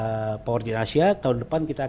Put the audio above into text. nah kemudian power gen asia tahun depan kita akan